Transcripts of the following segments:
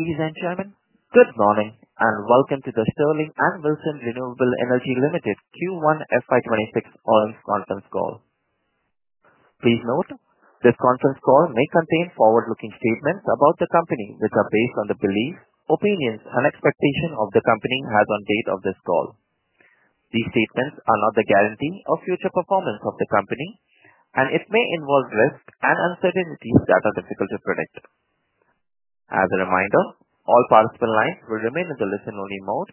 Ladies and gentlemen, good morning and welcome to the Sterling and Wilson Renewable Energy Limited Q1 FY 2026 all-hands conference call. Please note, this conference call may contain forward-looking statements about the company which are based on the beliefs, opinions, and expectations of the company as on the date of this call. These statements are not a guarantee of future performance of the company, and it may involve risks and uncertainties that are difficult to predict. As a reminder, all participant lines will remain in the listen-only mode,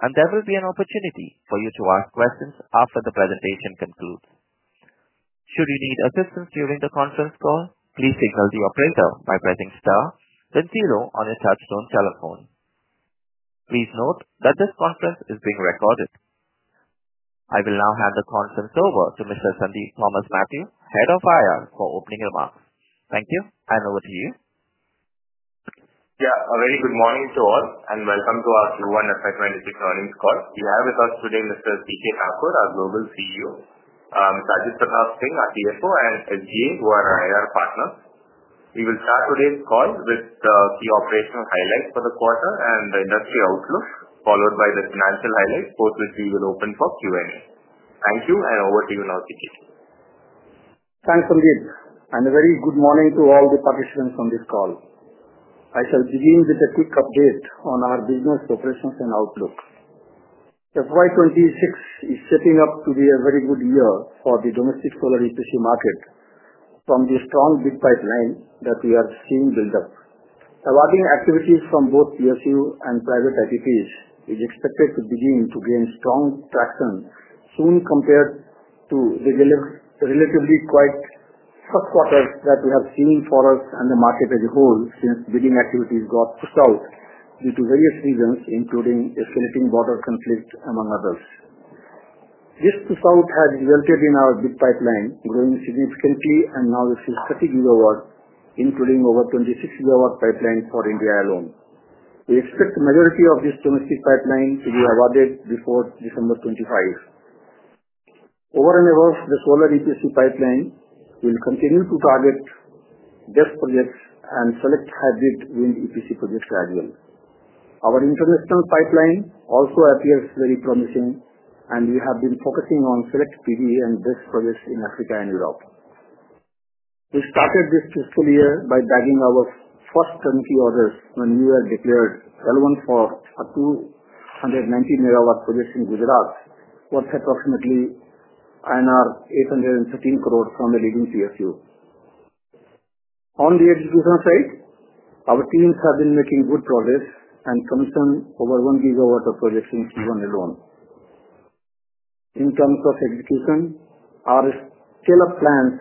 and there will be an opportunity for you to ask questions after the presentation concludes. Should you need assistance during the conference call, please signal the operator by pressing STAR, then 0 on your touch-tone telephone. Please note that this conference is being recorded. I will now hand the conference over to Mr. Sandeep Mathew, Global Chief Executive Officer, for opening remarks. Thank you, and over to you. Yeah, already, good morning to all, and welcome to our Q1 FY 2026 earnings call. We have with us today Mr. C. K Thakur, our Global CEO, Ajit Pratap Singh, our CFO, and Amit Jain, who are our HR partners. We will start today's call with the key operational highlights for the quarter and the industry outlook, followed by the financial highlights, after which we will open for Q&A. Thank you, and over to you now, Sandeep. Thanks, Sandeep, and a very good morning to all the participants on this call. I shall begin with a quick update on our business operations and outlook. FY 2026 is setting up to be a very good year for the domestic solar EPC market from the strong grid pipeline that we are seeing build up. A lot of activities from both PSU and private entities are expected to begin to gain strong traction soon compared to the relatively quiet first quarters that we have seen for us and the market as a whole since bidding activities got pushed out due to various reasons, including disconnecting borders and fleets, among others. This push-out had resulted in our grid pipeline growing significantly, and now this is 30 GW, including over 26 GW pipeline for India alone. We expect the majority of these domestic pipelines to be awarded before December 2025. Over and over, the solar EPC pipeline will continue to target DES projects and select hybrid wind EPC projects gradually. Our international pipeline also appears very promising, and we have been focusing on select PV and DES projects in Africa and Europe. We started this fiscal year by bagging our first currency orders when we were declared L1 at 219 MW projects in Gujarat, worth approximately INR 813 crore from the leading PSU. On the execution side, our teams have been making good progress and commissioned over 1 GW of projects in Q1 alone. In terms of execution, our scale-up plans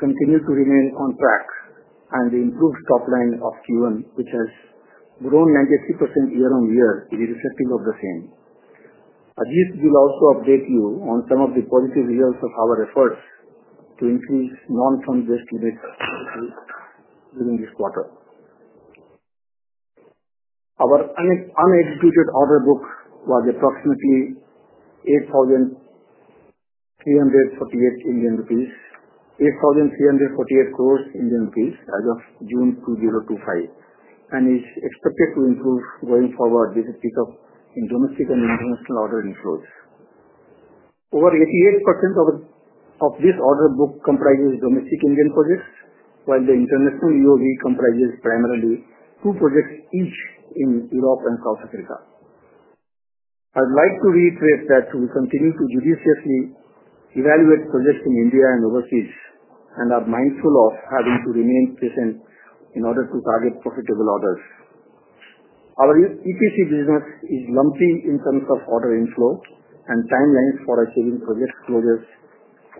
continue to remain on track, and the improved top-line revenue of Q1, which has grown 96% year on year, is reflective of the same. Ajit will also update you on some of the positive yields of our efforts to increase non-fund-destinated services during this quarter. Our unexecuted order book was approximately 8,348 crore Indian rupees as of June 2025, and is expected to improve going forward. This is picked up in domestic and international ordering flows. Over 88% of this order book comprises domestic Indian projects, while the international order book comprises primarily two projects each in Europe and South Africa. I would like to reiterate that we continue to judiciously evaluate projects in India and overseas and are mindful of having to remain patient in order to target profitable orders. Our EPC business is lumpy in terms of order inflow and timelines for our change in project closures.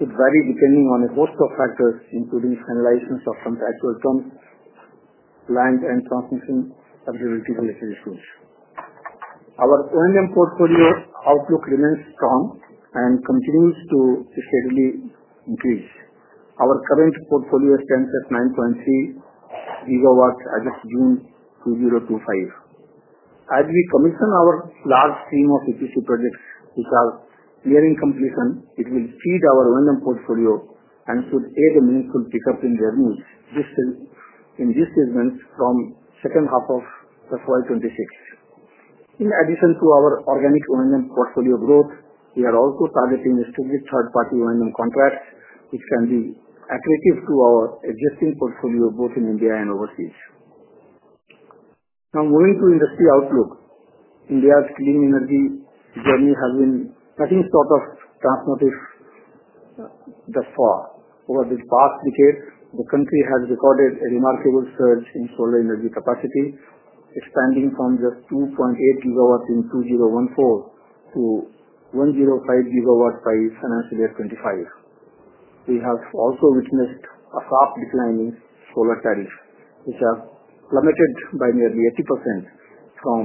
It varies depending on a host of factors, including finalizing subcontractual terms, land, and transmission of the residual. Our O&M portfolio outlook remains strong and continues to stably increase. Our current portfolio stands at 9.3 GW as of June 2025. As we commission our large scheme of EPC projects, which are nearing completion, it will feed our O&M portfolio and should aid the municipal pickup in revenues in this segment from the second half of FY 2026. In addition to our organic O&M portfolio growth, we are also targeting distributed third-party O&M contracts, which can be attractive to our existing portfolio both in India and overseas. Now moving to industry outlook, India's clean energy journey has been cutting cut of transport issues thus far. Over this past decade, the country has recorded a remarkable surge in solar energy capacity, expanding from just 2.8 GW in 2014 to 1.5 GW by financial year 2025. We have also witnessed a sharp decline in solar tariffs, which have plummeted by nearly 80% from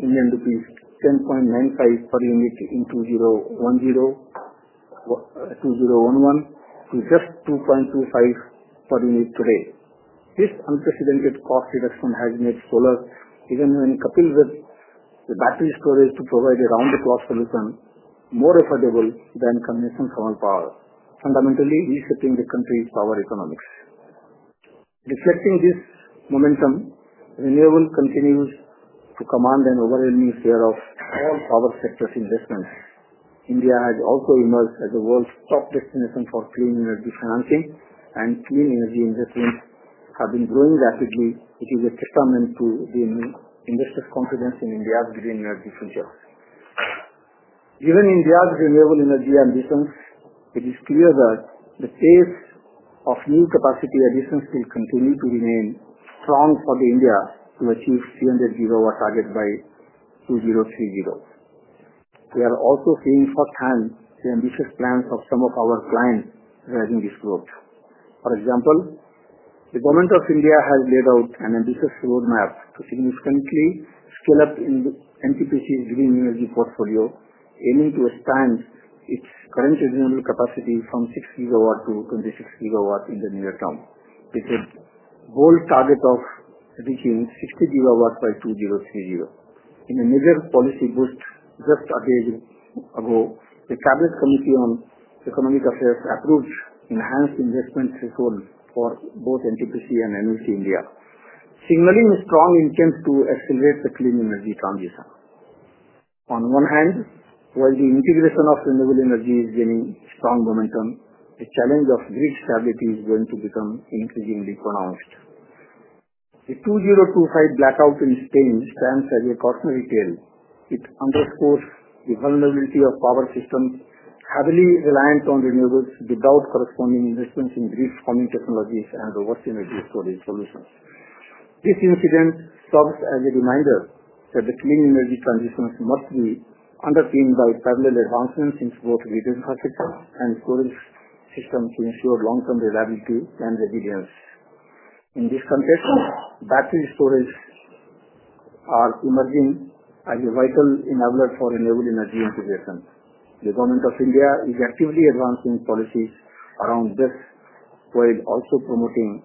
Indian rupees 10.95 per unit in 2011 to just 2.25 per unit today. This unprecedented cost reduction has made solar, even when coupled with the battery storage, to provide around-the-clock solution more affordable than conventional solar power, fundamentally resetting the country's power economics. Reflecting this momentum, renewable continues to command an overwhelming share of all power sector investments. India has also emerged as the world's top destination for clean energy financing, and clean energy investments have been growing rapidly. It is a testament to the industry's confidence in India's green energy future. Given India's renewable energy ambitions, it is clear that the sales of new capacity additions will continue to remain strong for India to achieve 300 GW target by 2030. We are also seeing shorthand to ambitious plans of some of our clients driving this growth. For example, the government of India has laid out an ambitious roadmap to significantly fill up in the NTPC's green energy portfolio, aiming to expand its current renewable capacity from 6 GW to 26 GW in the near term. This is a bold target of reaching 60 GW by 2030. In a major policy boost just a day ago, the Cabinet Committee on Economic Affairs approved enhanced investment thresholds for both NTPC and ONGC India, signaling a strong intent to accelerate the clean energy transition. On one hand, while the integration of renewable energy is gaining strong momentum, the challenge of grid stability is going to become increasingly pronounced. The 2025 blackout in Spain stands as a cautionary tale. It underscores the vulnerability of power systems heavily reliant on renewables without corresponding investments in grid-forming technologies and reverse energy storage solutions. This incident serves as a reminder that the clean energy transitions must be underpinned by parallel advancements in both the renewable sector and storage systems to ensure long-term reliability and resilience. In this context, battery storage is emerging as a vital enabler for renewable energy integration. The government of India is actively advancing policies around this, while also promoting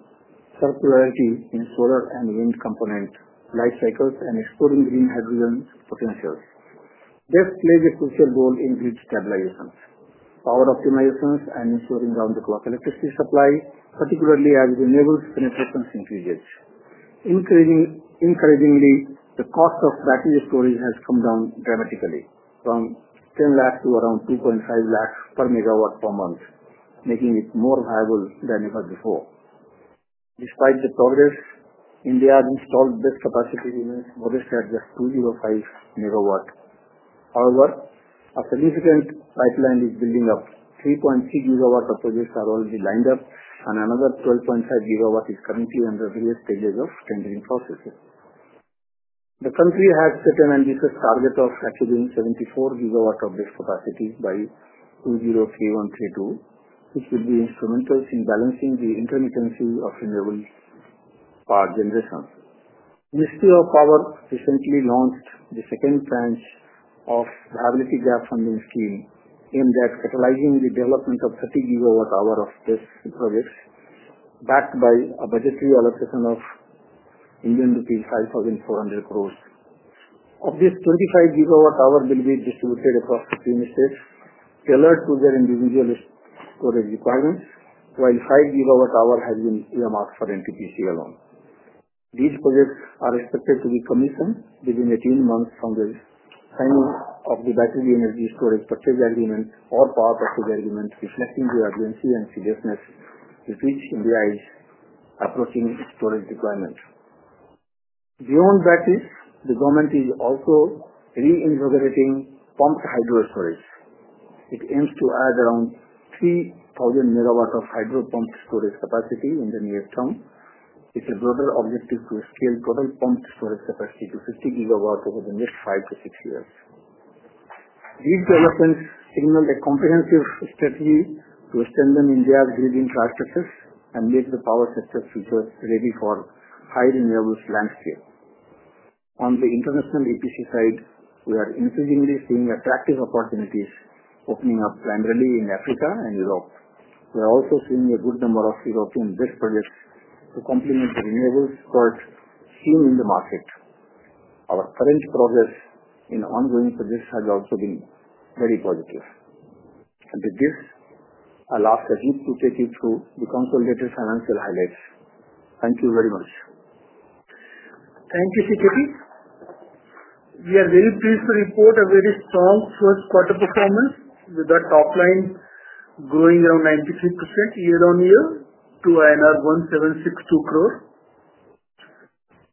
circularity in solar and wind components, life cycles, and exploring green hydrogen potentials. This plays a crucial role in grid stabilization, power optimizations, and ensuring round-the-clock electricity supply, particularly as renewables' benefit increases. Increasingly, the cost of battery storage has come down dramatically from 1,000,000 to around 250,000 per MW per month, making it more viable than ever before. Despite the progress, India's installed DES capacity remains modest at just 2.5 MW. However, a significant pipeline is building up. 3.3 GW of projects are already lined up, and another 12.5 GW is currently under various stages of tendering processes. The country has set an ambitious target of achieving 74 GW of DES capacity by 2031-32, which will be instrumental in balancing the intermittency of renewable power generation. The Ministry of Power recently launched the second tranche of the Viability Gap Funding Scheme, aimed at catalyzing the development of 30 GWh of DES projects, backed by a budgetary allocation of Indian rupees 5,400 crore. Of this, 25 GWh will be distributed across the three ministries, tailored to their individual storage requirements, while 5 GWh has been earmarked for NTPC alone. These projects are expected to be commissioned within 18 months from the signing of the Battery Energy Storage Purchase Agreement or part of the agreement, reflecting the urgency and seriousness with which India is approaching its storage requirements. Beyond that, the government is also re-integrating pumped hydro storage. It aims to add around 3,000 MW of hydro pump storage capacity in the near term. It is a broader objective to scale total pumped storage capacity to 50 GW over the next five to six years. These developments implement a comprehensive strategy to strengthen India's grid infrastructures and make the power sector's future ready for a high-renewables landscape. On the international EPC side, we are increasingly seeing attractive opportunities opening up, primarily in Africa and Europe. We are also seeing a good number of European DES projects to complement the renewables growth seen in the market. Our current progress in ongoing projects has also been very positive. With this, I'll ask Ajit to take you through the consolidated financial highlights. Thank you very much. Thank you, Sandeep. We are very pleased to report a very strong first-quarter performance with our top line growing around 93% year on year to INR 1,762 crore.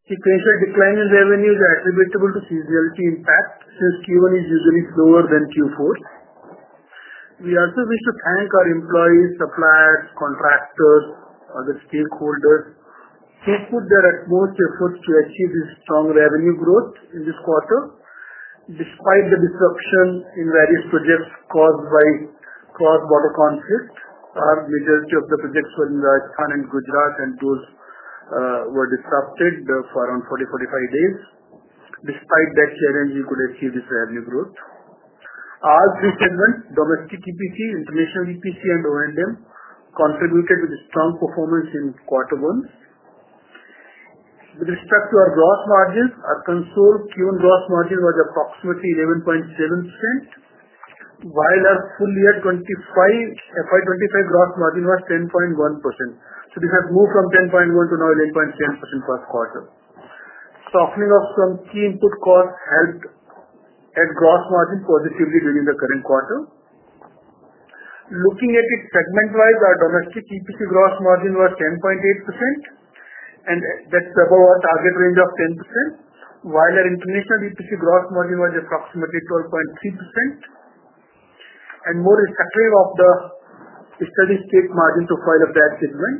Sequential decline in revenues is attributable to seasonality impacts since Q1 is usually slower than Q4. We also wish to thank our employees, suppliers, contractors, and other stakeholders. Since we put their most efforts to achieve this strong revenue growth in this quarter, despite the disruption in various projects caused by cross-border conflicts, a large majority of the projects in Gujarat and Tuls were disrupted for around 40, 45 days. Despite that challenge, we could achieve this revenue growth. Our pre-segment, domestic EPC, international EPC, and O&M contributed to the strong performance in quarter one. With respect to our gross margins, our consumed fuel gross margin was approximately 11.7%, while our full-year FY 2025 gross margin was 10.1%. This has moved from 10.1% to now 11.7% for the first quarter. Stuffing off from key input costs helped the gross margin positively during the current quarter. Looking at it segment-wise, our domestic EPC gross margin was 10.8%, and that's above our target range of 10%, while our international EPC gross margin was approximately 12.3%. More separate of the steady state margin profile of that segment,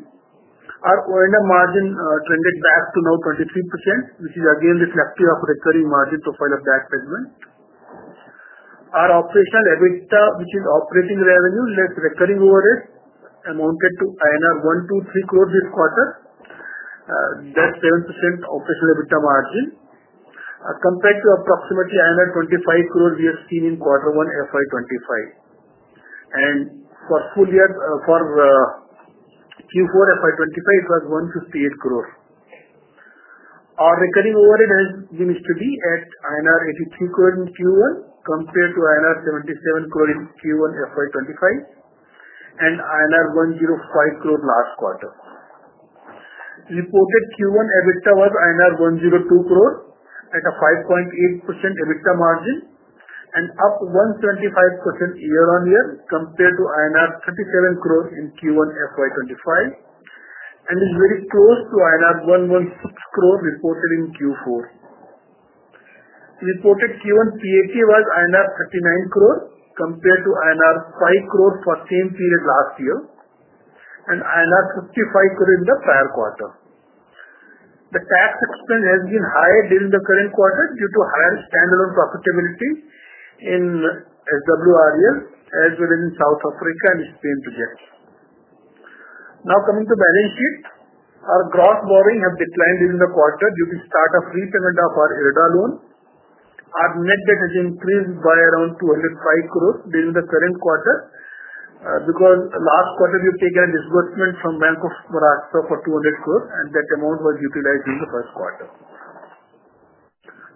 our O&M margin trended back to now 23%, which is again reflective of recurring margin profile of that segment. Our operational EBITDA, which is operating revenue less recurring orders, amounted to INR 123 crore this quarter. That's 7% of the margin. Compared to approximately 25 crore, we have seen in quarter one FY 2025. For Q4 FY 2025, it was 158 crore. Our recurring order has been studied at INR 83 crore in Q1 compared to INR 77 crore in Q1 FY 2025 and INR 105 crore last quarter. Reported Q1 EBITDA was INR 102 crores at a 5.8% EBITDA margin and up 125% year on year compared to INR 37 crores in Q1 FY 2024 and is very close to INR 11 crores reported in Q4. Reported Q1 PAT was INR 39 crores compared to INR 5 crores for the same period last year and INR 55 crores in the prior quarter. The tax expense has been higher during the current quarter due to higher standalone profitability in Sterling and Wilson Renewable Energy Limited as well as in South Africa and Spain projects. Now coming to balance sheet, our gross borrowing has declined during the quarter due to the start of repayment of our IREDA loan. Our net debt has increased by around 205 crores during the current quarter because last quarter we have taken a disbursement from Bank of Morocco for 200 crores, and that amount was utilized during the first quarter.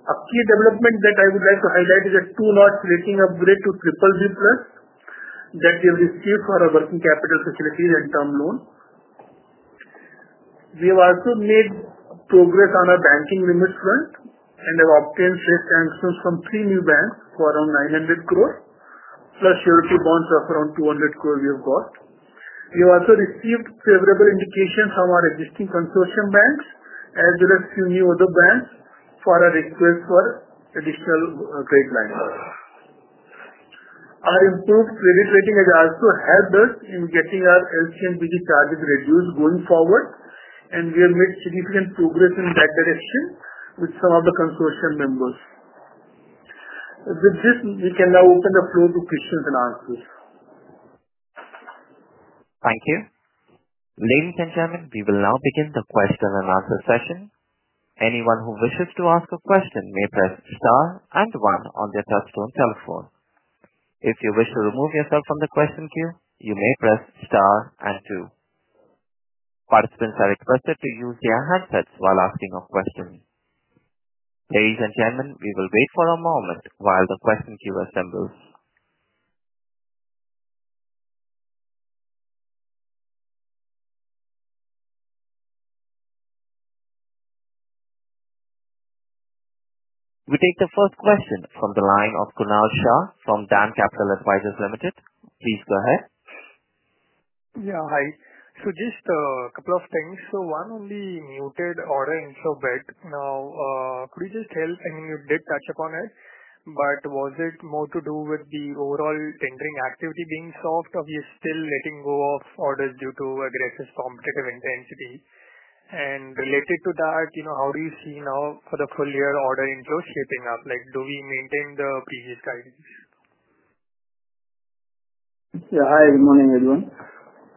A key development that I would like to highlight is a two-notch raising of Acuite Ratings to BBB+ that we have received for our working capital facilities and term loan. We have also made progress on our banking limits runs and have obtained sanction from three new banks for around 900 crores plus currency bonds of around 200 crores we have got. We have also received favorable indications from our existing consortium banks as well as a few new other banks for our requests for additional credit lines. Our improved credit rating has also helped us in getting our LC/BG charges reduced going forward, and we have made significant progress in that direction with some of the consortium members. With this, we can now open the floor to questions and answers. Thank you. Ladies and gentlemen, we will now begin the question and answer session. Anyone who wishes to ask a question may press star and one on their touch-tone telephone. If you wish to remove yourself from the question queue, you may press star and two. Participants are requested to use their handsets while asking a question. Ladies and gentlemen, we will wait for a moment while the question queue assembles. We take the first question from the line of Kunal Shah from Dan Capital Advisors Limited. Please go ahead. Yeah, hi. Just a couple of things. One on the muted order inflow bit, could you just tell any update, touch upon it? Was it more to do with the overall tendering activity being soft, or are you still letting go of orders due to aggressive competitive intensity? Related to that, how do you see now for the full-year order inflow shaping up? Do we maintain the previous guidance? Yeah, hi. Good morning, everyone.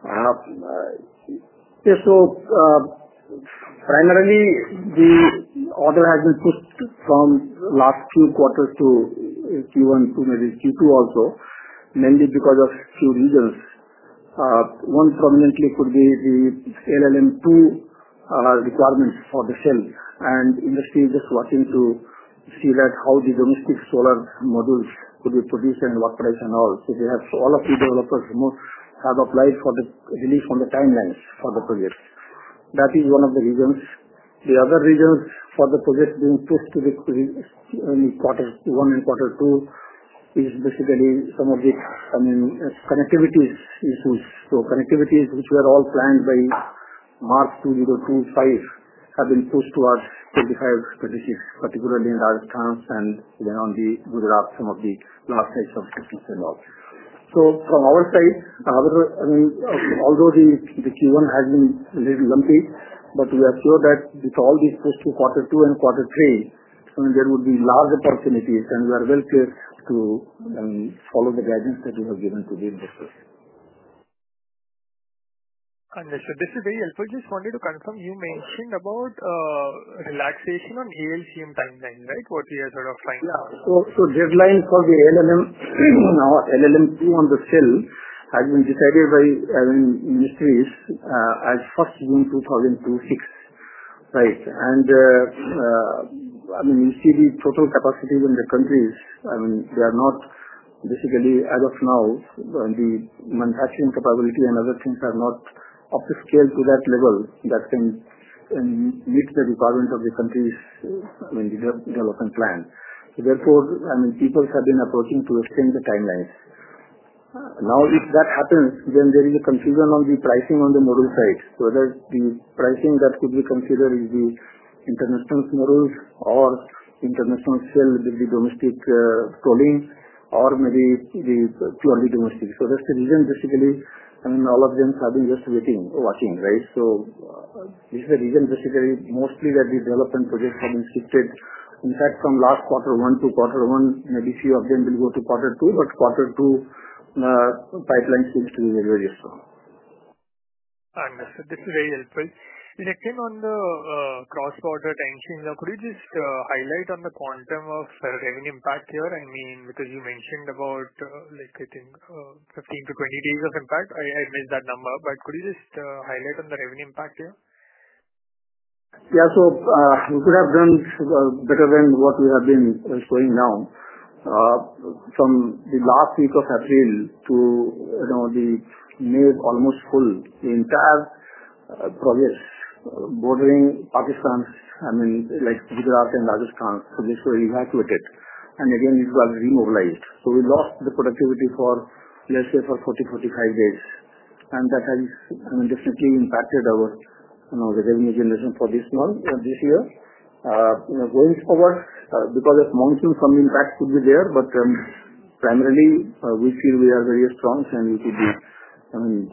Primarily, the order has been pushed from the last few quarters to Q1, Q2, Q2 also, mainly because of a few reasons. One prominently could be the ALMM II requirements for the shell. The industry is just watching to see how the domestic solar modules could be produced and at what price and all. We have all of the developers who have applied for the release on the timelines for the projects. That is one of the reasons. The other reason for the project being pushed to the one in quarter two is basically some of the connectivity issues. Connectivities which were all planned by March 2025 have been pushed towards 2025, particularly in Rajasthan and then in Gujarat, some of the large sites of systems involved. From our side, although the Q1 has been a little lumpy, we are sure that with all these pushed to quarter two and quarter three, there would be large opportunities. We are well prepared to follow the guidance that you have given to the investors. Understood. This is very helpful. I just wanted to confirm, you mentioned about a relaxation on the LCM timeline, right? What have you heard of finally? The deadline for the ALMM II on the shelf has been decided by ministries as 1st June 2026, right? You see the total capacity in the country. We are not basically, as of now, and the manufacturing capability and other things are not up to scale to that level that can meet the requirements of the country's development plan. Therefore, people have been approaching to extend the timelines. If that happens, then there is a confusion on the pricing on the model side. Whether the pricing that could be considered is the international model or international shelf with the domestic tolling or maybe the purely domestic. That's the reason basically all of them have been just waiting or watching, right? This is the reason mostly that the development projects have been shifted. In fact, from last quarter one to quarter one, maybe a few of them will go to quarter two, but quarter two, the pipeline shifted in a way as well. Understood. This is very helpful. Like, cross-border tension, could you just highlight on the quantum of revenue impact here? I mean, because you mentioned about like getting 15 to 20 days of impact. I missed that number, but could you just highlight on the revenue impact here? Yeah, so we could have done better than what we have been showing now. From the last week of April to now, almost the entire projects bordering Pakistan, I mean, like Gujarat and Rajasthan, these were evacuated. These were remobilized. We lost the productivity for last year for 40, 45 days. That has definitely impacted our, you know, the revenue generation for this month, this year. Going forward, because of monsoon, some impacts could be there, but primarily, we feel we are very strong and we could be, I mean,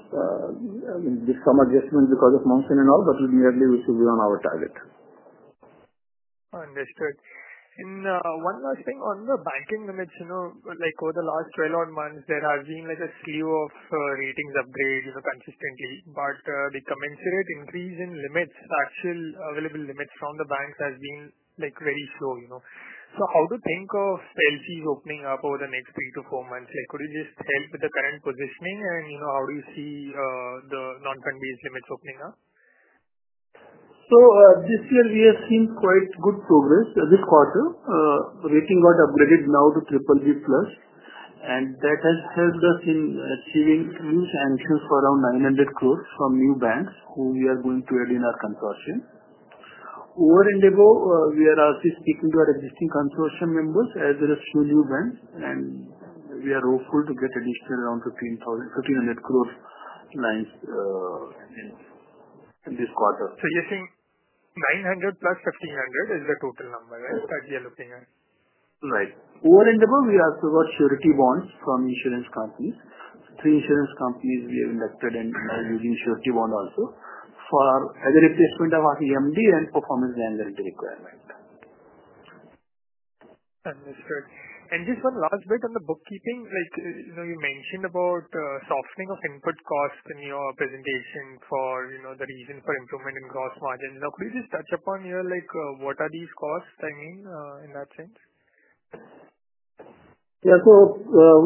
in this summer adjustment because of monsoon and all, but we believe we should be on our target. Understood. One last thing on the banking limits, over the last 12 months, there have been a slew of ratings upgrades consistently. The commensurate increase in limits, partial available limits from the banks, has been very slow. How do you think of LCs opening up over the next three to four months? Could you just help with the current positioning and how do you see the non-committed limits opening up? As you see, we have seen quite good progress this quarter. The rating got upgraded now to BBB+. That has helped us in achieving increased entries for around 900 crore from new banks who we are going to add in our consortium. Over in the go, we are also speaking to our existing consortium members as well as a few new banks. We are hopeful to get an additional around 1,500 crore lines in this quarter. You think 900 + 1,500 is the total number, right, that you're looking at? Right. Over in the go, we have got surety bonds from insurance companies. Three insurance companies we have invested in, you know, using surety bonds also for either replacement of our EMD and performance line literature requirements. Understood. Just one last bit on the bookkeeping. You mentioned about softening of input costs in your presentation for the reason for improvement in gross margins. Could you just touch upon what are these costs, I mean, in that sense? Yeah, so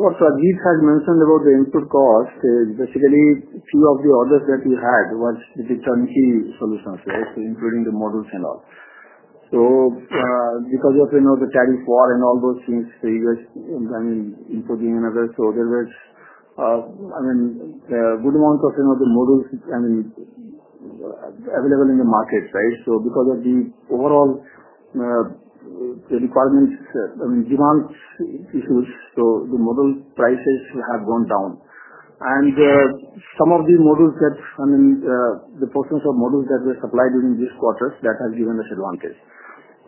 what Sandeep had mentioned about the input cost is basically a few of the orders that we had was the turnkey solutions, right, including the modules and all. Because of the tariff war and all those things, input in and out, there was a good amount of the modules available in the market, right? Because of the overall requirements, demand issues, the module prices have gone down. Some of the modules that, the process of modules that were supplied during these quarters, that has given us advantage.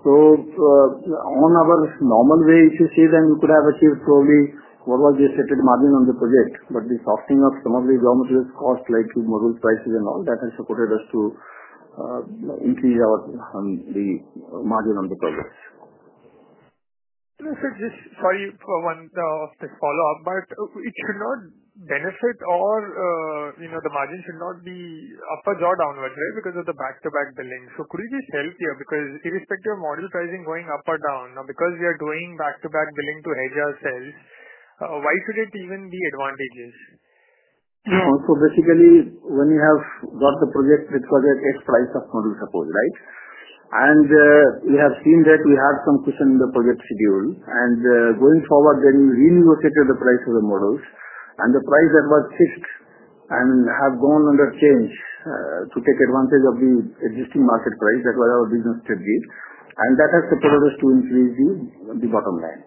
On our normal way to say that we could have achieved probably what was the accepted margin on the project, but the softening of some of the raw materials cost, like the module prices and all, that has supported us to increase our margin on the projects. Sorry for one of the follow-up, but it should not benefit or, you know, the margin should not be upwards or downwards, right, because of the back-to-back billing. Could you just tell here, because irrespective of model pricing going up or down, now because we are doing back-to-back billing to hedge ourselves, why should it even be advantageous? Yeah, so basically, when you have got the project, it's called the hedge price of model, suppose, right? We have seen that we have some cushion in the project schedule. Going forward, we renegotiated the price of the models. The price that was fixed, I mean, has gone under change to take advantage of the existing market price. That was our business to be, and that has supported us to increase the bottom line.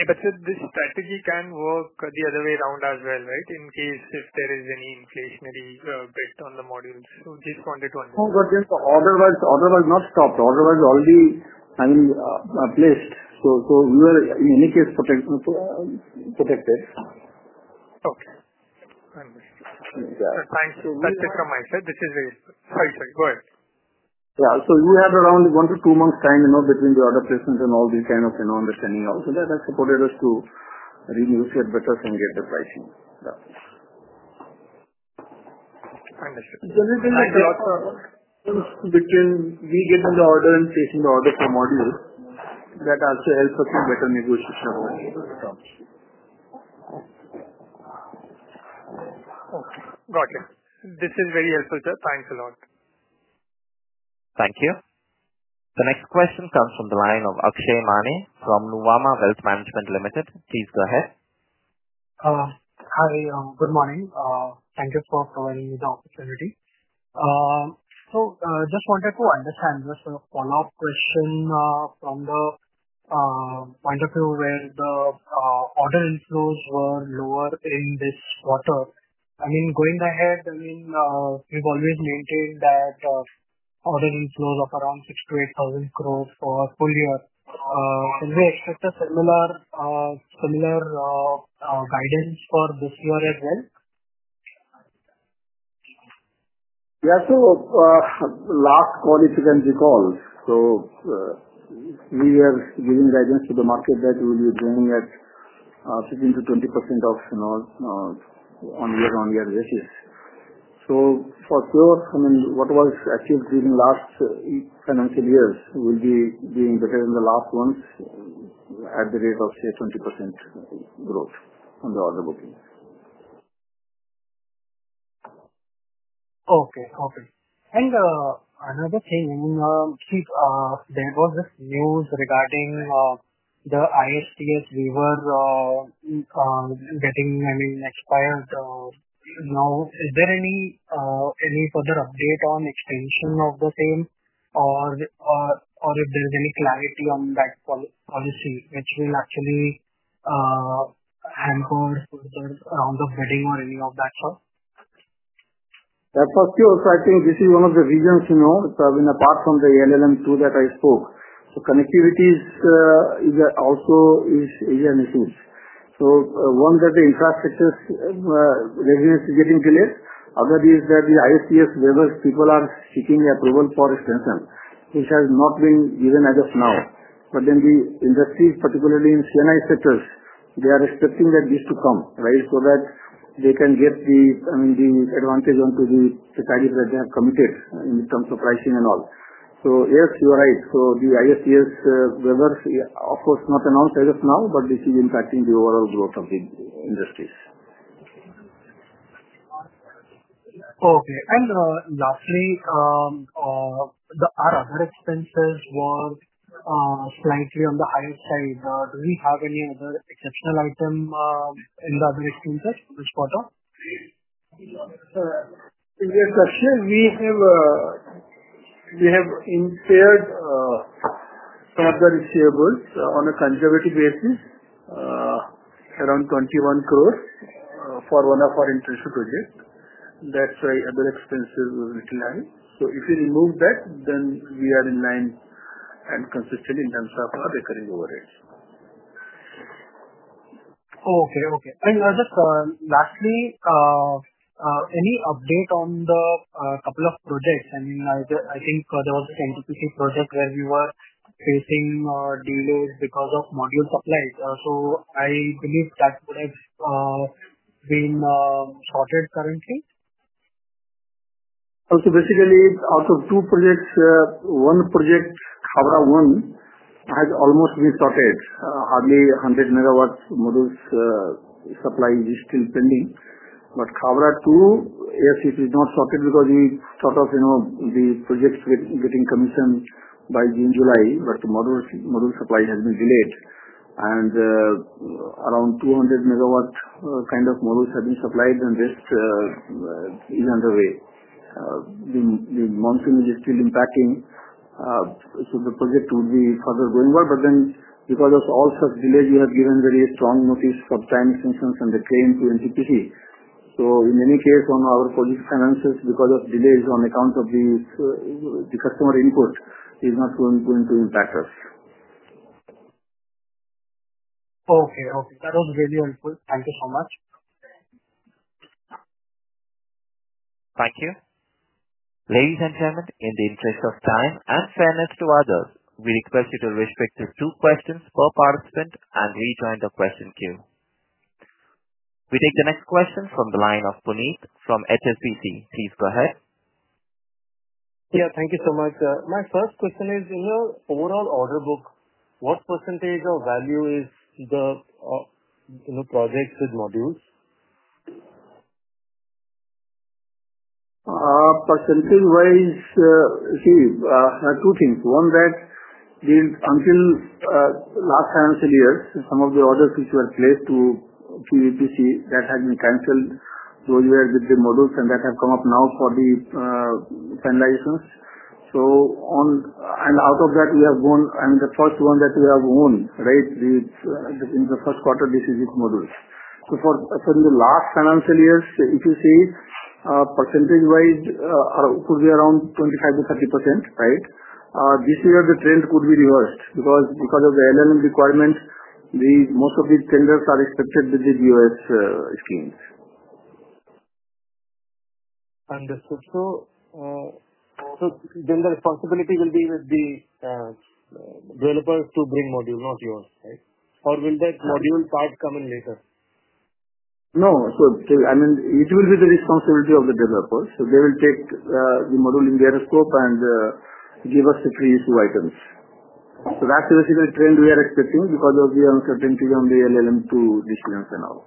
Yeah, this strategy can work the other way around as well, right, in case there is any inflationary effect on the models. Just wanted to understand. Oh, yes, the order was not stopped. The order was already, I mean, placed. We were, in any case, protected. Okay. Understood. Yeah. Thanks for that from my side. This is very interesting. Go ahead. Yeah, we had around one to two months' time between the order placement and all these kind of understanding and all. That has supported us to renegotiate better and get the pricing. Is there anything that you'd like to add? Between getting the order and chasing the order per module, that also helps us to better negotiate our way. Okay. Got it. This is very helpful, sir. Thanks a lot. Thank you. The next question comes from the line of Akshay Mane from Nuvama Wealth Management Limited. Please go ahead. Hi. Good morning. Thank you for providing me the opportunity. Just wanted to understand the follow-up question from the point of view where the order inflows were lower in this quarter. I mean, going ahead, we've always maintained that order inflows of around 6,000 to 8,000 crores for a full year. Can we expect a similar guidance for this year as well? Yeah, last quarter, if you can recall, we were giving guidance to the market that we will be growing at 15% to 20% on a year-on-year basis. For sure, what was achieved during the last financial year, we will be doing better than the last ones at the rate of, say, 20% growth on the order bookings. Okay. Since there was this news regarding the ISTS river getting expired, is there any further update on the expansion of the thing, or if there's any clarity on that policy which will actually handhold the delivery of that? That was pure. I think this is one of the reasons, you know, apart from the ALMM II that I spoke. Connectivities is also an issue. One, the infrastructure readiness is getting delayed. Another is that the ISTS waiver people are seeking approval for extension, which has not been given as of now. The industry, particularly in CNI sectors, is expecting this to come, right, so that they can get the advantage onto the societies that they have committed in terms of pricing and all. Yes, you are right. The ISTS waiver, of course, not announced as of now, but this is impacting the overall growth of the industries. Okay. Lastly, are other expenses on the ISTS? Do we have any other exceptional item in the other expenses this quarter? Yes, actually, we have insured fiber receivers on a conservative basis, around 21 crore for one of our interested projects. That's a bit expensive to manage. If we remove that, then we are in line and consistent in terms of our recurring orders. Okay. Lastly, any update on the couple of projects? I mean, I think there was an NTPC project where we were facing delays because of module supplies. I believe that would have been shortage currently? Okay, basically, out of two projects, one project, Cabra One, had almost been shortage. Only 100 MW modules supply is still pending. Cabra Two, yes, it is not shortage because we sort of, you know, the projects getting commissioned by June July, but the module supply has been delayed. Around 200 MW kind of modules have been supplied, and the rest is underway. The monsoon is still impacting, so the project would be further going well. Because of all such delays, you have given very strong notice for plan extensions and the claim to NTPC. In any case, on our project finances, because of delays on account of the customer input, it's not going to impact us. Okay. Okay. That was very helpful. Thank you so much. Thank you. Ladies and gentlemen, in the interest of time and fairness to others, we request that you respect the two questions per participant and rejoin the question queue. We take the next question from the line of Puneet from HSBC. Please go ahead. Thank you so much. My first question is, in your overall order book, what percentage of value is the projects with modules? Percentage-wise, I see two things. One is that until last financial year, some of the orders which were placed to PVPC had been canceled going there with the models, and that have come up now for the pen license. Out of that, we have gone, I mean, the first one that we have won, right, in the first quarter, this is with models. For the last financial year, if you see, percentage-wise, could be around 25%-30%. This year, the trend could be reversed because of the ALMM requirements, most of these tenders are restricted with the U.S. schemes. Understood. Then the responsibility will be with the developers to bring modules, not yours, right? Or will that module part come in later? No. It will be the responsibility of the developers. They will take the model in their scope and give us the free issue items. That's the basic trend we are expecting because of the uncertainty on the ALMM II disclosure now.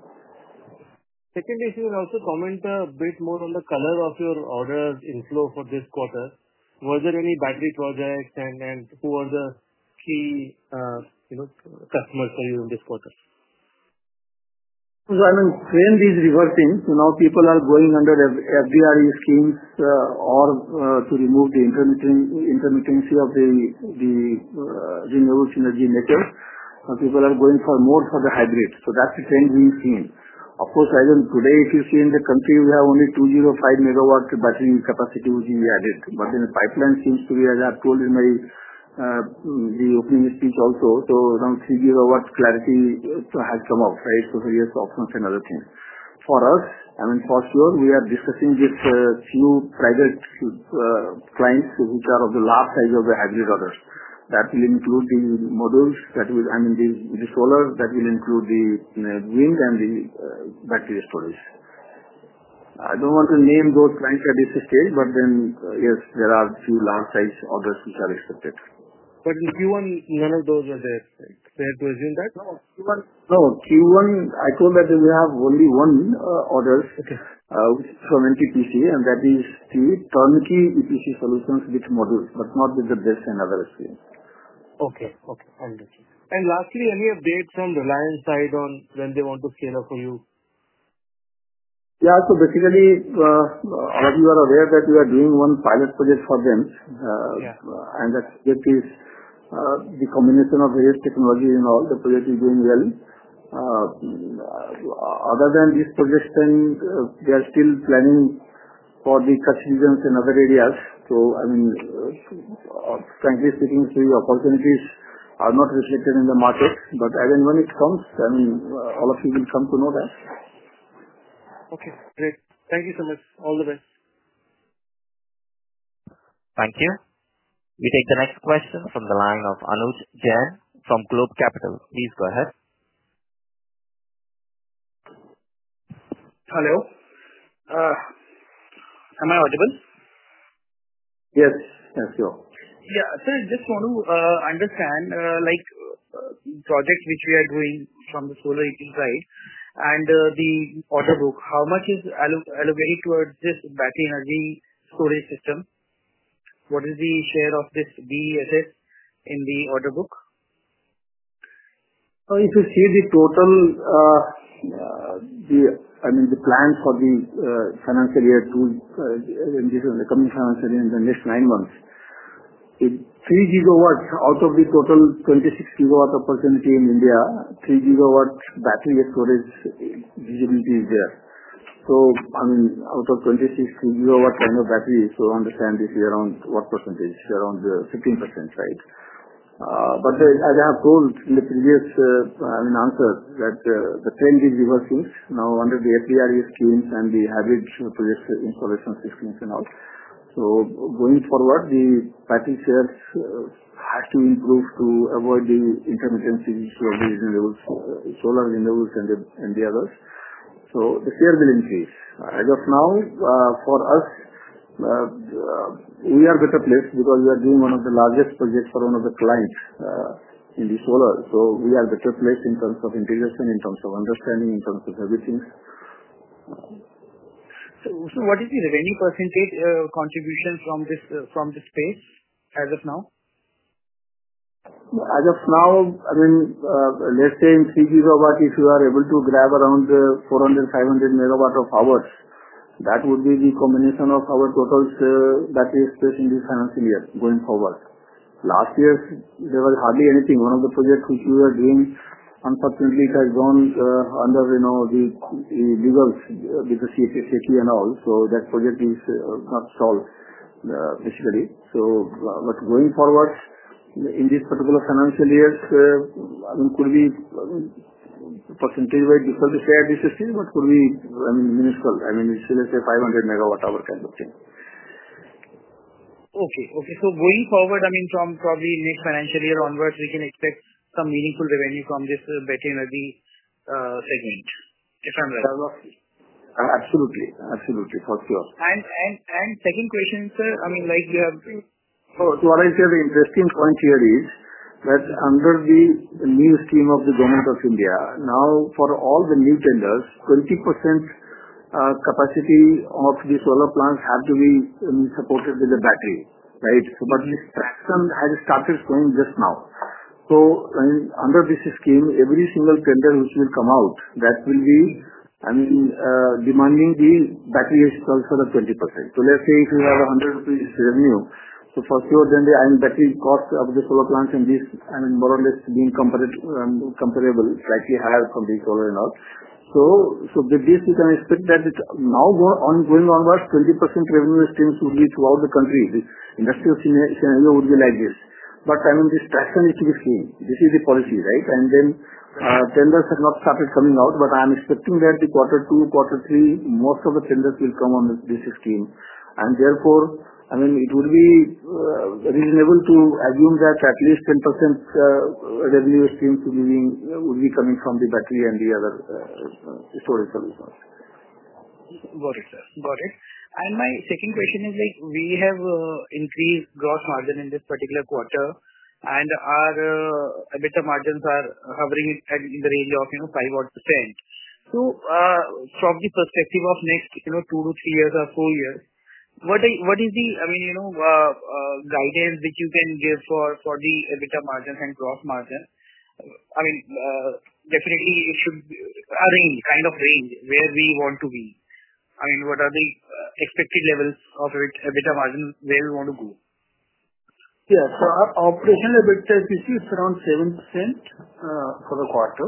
Second issue, could you also comment a bit more on the color of your orders inflow for this quarter? Were there any battery projects? Who are the key customers for you in this quarter? I mean, trend is reversing. Now people are going under FDRE schemes, or to remove the intermittency of the renewable energy meters, people are going more for the hybrid. That's the trend we've seen. Of course, as in today, if you see in the country, we have only 205 MW battery capacity which we added. The pipeline seems to be, as I have told in my opening speech also, around 3 GW clarity has come out, right? Here's options and other things. For us, for sure, we are discussing this, few private clients which are of the last size of the hybrid orders. That will include the models that will, the solar that will include the wind and the battery storage. I don't want to name those clients at this scale, but then, yes, there are a few large-sized orders which are accepted. In Q1, none of those are there. Can I presume that? Q1, I call that we have only one order, which is from NTPC, and that is the Turnkey EPC Solutions with models, but not with the BESS and other schemes. Okay. Okay. Understood. Lastly, any updates from the Alliance side on when they want to scale up for you? Yeah, so basically, as you are aware that we are doing one pilot project for them, and that is the combination of various technologies and all. The project is doing well. Other than these projects, we are still planning for the customers in other areas. I mean, frankly speaking, a few opportunities are not reflected in the markets. As and when it comes, I mean, all of you will come to know that. Okay. Great. Thank you so much. All the best. Thank you. We take the next question from the line of Anuj Jain from Globe Capital. Please go ahead. Hello. Am I audible? Yes, sure. Yeah, so I just want to understand, like, the projects which we are doing from the solar EPC side and the order book, how much is allocated towards this battery energy storage system? What is the share of this BESS in the order book? If you see the total, I mean, the plans for the financial year two, the coming financial year in the next nine months, it's 3 GW out of the total 26 GW opportunity in India, 3 GW battery storage usability is there. I mean, out of 26 GW kind of batteries, so understand this is around what percentage? Around 15%, right? As I have told in the previous answer, the trend is reversing now under the FDRE schemes and the hybrid projects installation systems and all. Going forward, the package shares have to improve to avoid the intermittency issue of the solar renewables and the others. The share will increase. As of now, for us, we are better placed because we are doing one of the largest projects for one of the clients in the solar. We are better placed in terms of integration, in terms of understanding, in terms of everything. What is the revenue percentage contribution from this space as of now? As of now, I mean, let's say in 3 GW, if you are able to grab around the 400, 500 MWh, that would be the combination of our total space in this financial year going forward. Last year, there was hardly anything. One of the projects which we were doing, unfortunately, has gone under the legal shaky and all. That project is not solved, basically. Going forward in this particular financial year, I mean, could be, I mean, the percentage-wise because the share is still, but could be, I mean, municipal. I mean, it's still, let's say, 500 MWh kind of thing. Okay. Going forward, I mean, from probably next financial year onwards, we can expect some meaningful revenue from this battery energy segment, if I'm right. Absolutely. Absolutely. For sure. Second question, sir, I mean, like you have. What I feel the interesting point here is that under the new scheme of the Government of India, now for all the new tenders, 20% capacity of the solar plants have to be supported with the battery, right? This has started going just now. Under this scheme, every single tender which will come out, that will be demanding the battery itself for the 20%. Let's say if you have 100 rupees revenue, then the battery cost of the solar plants in this is more or less being comparable, slightly higher from the solar and all. With this, you can expect that going onwards, 20% revenue streams will be throughout the country. Industrial scenario would be like this. This passion which we've seen, this is the policy, right? Tenders have not started coming out, but I am expecting that in quarter two, quarter three, most of the tenders will come on this scheme. Therefore, it will be reasonable to assume that at least 10% revenue streams will be coming from the battery and the other storage solutions. Got it, sir. Got it. My second question is, like, we have increased gross margin in this particular quarter, and our EBITDA margins are hovering in the range of, you know, 5%-10%. From the perspective of next, you know, two to three years or four years, what is the, I mean, you know, guidance which you can give for the EBITDA margin and gross margin? I mean, definitely, you should arrange kind of range where we want to be. I mean, what are the expected levels of EBITDA margin where we want to go? Yeah, so our operational EBITDA is around 7% for the quarter.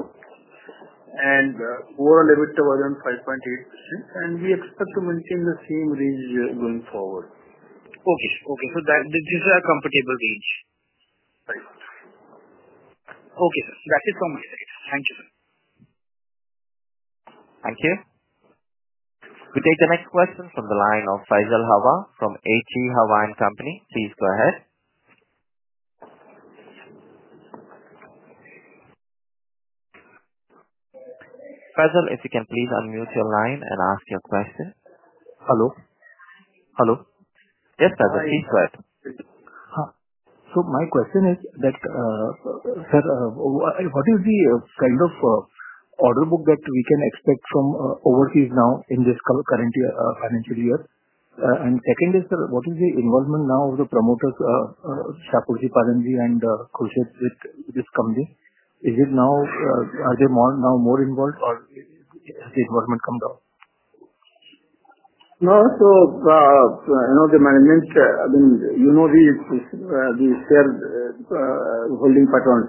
Overall EBITDA was around 5.8%. We expect to maintain the same range going forward. Okay. Okay. This is a compatible range. Right. Okay, that is from my side. Thank you, sir. Thank you. We take the next question from the line of Faisal Hawa from H.G Hawa Company. Please go ahead. Faisal, if you can please unmute your line and ask your question. Hello. Hello. Yes, Faisal, please go ahead. My question is that, sir, what is the kind of order book that we can expect from overseas now in this current financial year? Second is, sir, what is the involvement now of the promoters, Shapoorji Pallonji and Khushru Jijina with this company? Is it now, are they more involved, or has the involvement come down? I know the management, I mean, you know the shareholding pattern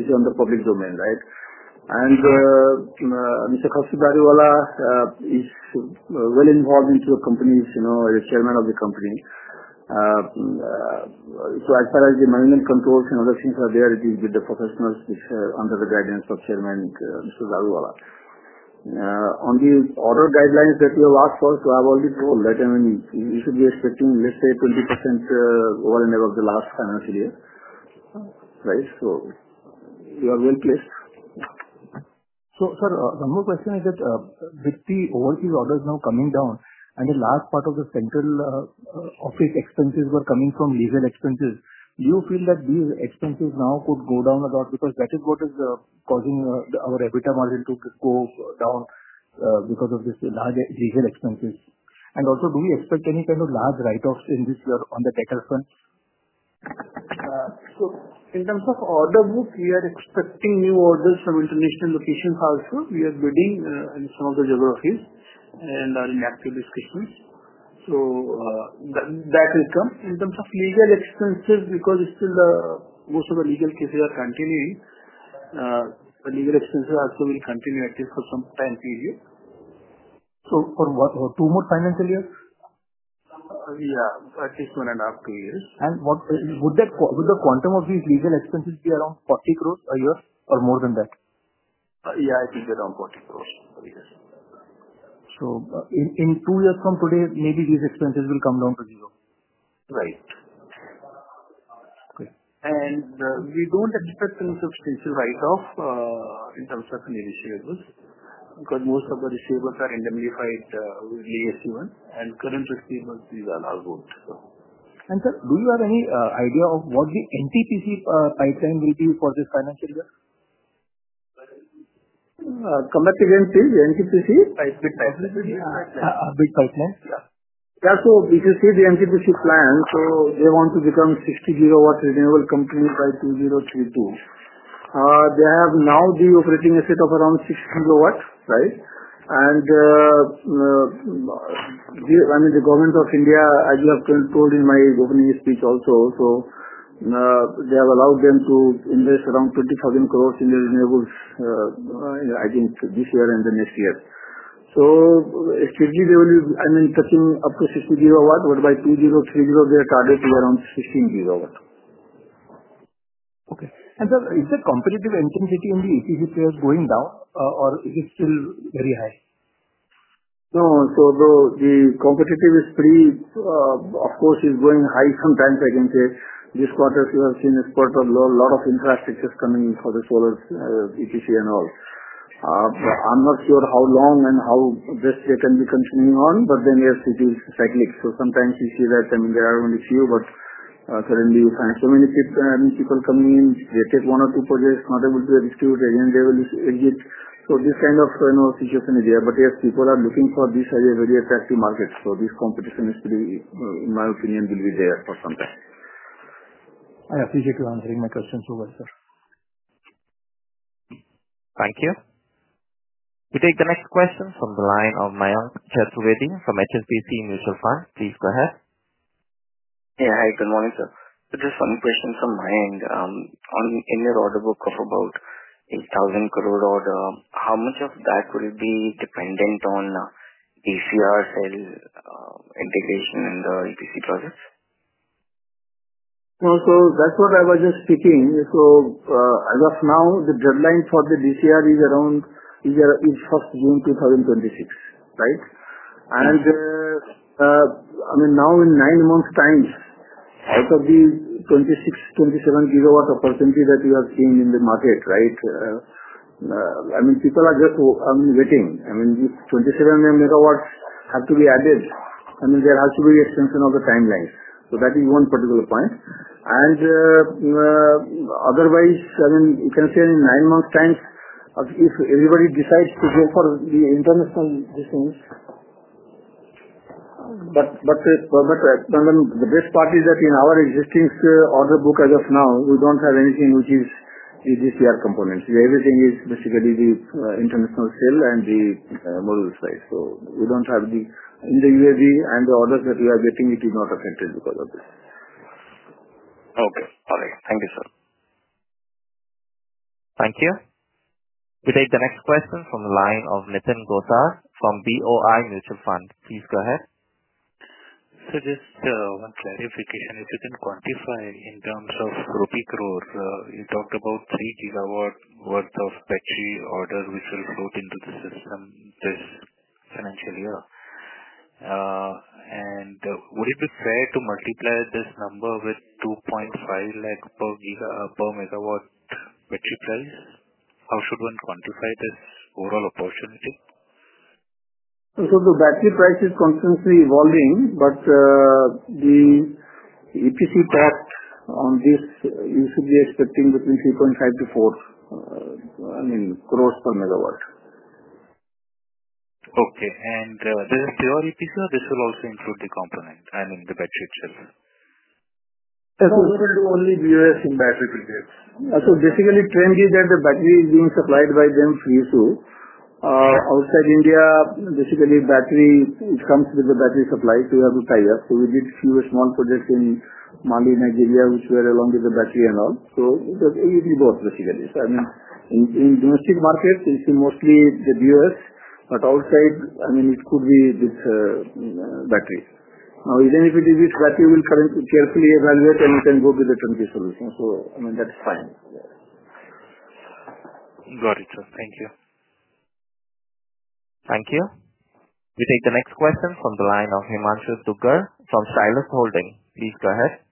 is in the public domain, right? Mr. Khurshed Daruvala is well involved in the company, you know, the Chairman of the company. As far as the management controls and other things are there, it is with the professionals who are under the guidance of Chairman Mr. Daruvala. On the order guidelines that we have asked for, I've already told that we should be expecting, let's say, 20% over and above the last financial year, right? You have been clear. Sir, one more question is that, with the overseas orders now coming down and the last part of the central office expenses were coming from legal expenses, do you feel that these expenses now could go down a lot because that is what is causing our EBITDA margin to go down, because of these large legal expenses? Also, do we expect any kind of large write-offs in this year on the tax front? In terms of order books, we are expecting new orders from international locations also. We are bidding in some of the geographies and are in that position. That will come. In terms of legal expenses, because most of the legal cases are continuing, legal expenses will also continue at least for some time, three years. For what? Or two more financial years? Yeah, at least two and a half, three years. Would the quantum of these legal expenses be around 40 crore a year or more than that? Yeah, it is around 40 crore a year. In two years from today, maybe these expenses will come down to zero. Right. Okay. We don't expect any substantial write-off in terms of legal issues because most of the receivers are NW5s with ASUN and current receivers, these are our owners. Sir, do you have any idea of what the NTPC pipeline will be for this financial year? Come back again, please? NTPC? Yeah. Yeah, so if you see the NTPC plan, they want to become a 60 GW renewable company by 2032. They have now the operating asset of around 600 MW, right? I mean, the Government of India, as you have told in my opening speech also, they have allowed them to invest around 20,000 crore in the renewables, I think this year and the next year. It's clearly they will be, I mean, touching up to 60 GW, but by 2030, their target is around 16 GW. Okay. Sir, is the competitive intensity in the EPC players going down, or is it still very high? No, so the competitive is pretty, of course, is going high. Sometimes I can say this quarter we have seen a spurt of a lot of infrastructures coming in for the solar EPC and all. I'm not sure how long and how best they can be continuing on, but yes, it is cyclic. Sometimes you see that, I mean, there are only a few, but currently you find so many people coming in. They take one or two projects, not able to distribute again. They will exit. This kind of situation is there. Yes, people are looking for this as a very attractive market. This competition is pretty, in my opinion, will be there for some time. I appreciate you answering my questions so well, sir. Thank you. We take the next question from the line of Mayank Chaturvedi from HSBC Mutual Fund. Please go ahead. Yeah, hi. Good morning, sir. Just one question from my end. In your order book of about 8,000 crore order, how much of that will be dependent on DCR, soil integration, and the ETC projects? Yeah, that's what I was just speaking. As of now, the deadline for the DCR is around the year of June 2026, right? I mean, now in nine months' time, out of these 26, 27 gigawatt opportunities that we are seeing in the market, people are just waiting. These 27 GW have to be added. There has to be an extension of the timelines. That is one particular point. Otherwise, if I can say in nine months' time, if everybody decides to go for the international distance, the best part is that in our existing order book as of now, we don't have anything which is DCR components. Everything is basically the international sale and the models price. We don't have the in the USD and the orders that we are getting, it is not affected because of this. Okay. All right. Thank you, sir. Thank you. We take the next question from the line of Nathan Gosar from BOI Mutual Fund. Please go ahead. Just one clarification. If you can quantify in terms of rupee crores, you talked about 3 GW' worth of battery order which will go into the system this financial year. Would it be fair to multiply this number with 250,000 per MW battery charge? How should one quantify this overall opportunity? The battery price is constantly evolving, but the EPC, perhaps on this, you should be expecting between 3.5 to 4 crore per MW. Okay. The geo ET card, this will also include the component, I mean, the battery charge. We can do only VOS in battery projects. Basically, the trend is that the battery is being supplied by them free too. Outside India, basically, battery comes with the battery supplies, so we have to tie up. We did a few small projects in Mali, Nigeria, which were along with the battery and all. It is both, basically. In domestic markets, you see mostly the VOS, but outside, it could be this battery. Even if it is this battery, we'll currently carefully evaluate, and you can go with the Turnkey solution. That's fine. You got it, sir. Thank you. Thank you. We take the next question from the line of Himanshesh Duggar from Sila Holding. Please go ahead.